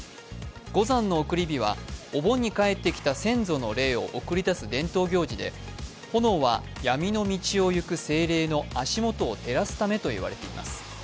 五山の送り火はお盆に帰ってきた先祖の霊を送り出す伝統行事で炎は闇の道を行く精霊の足元を照らすためと言われています。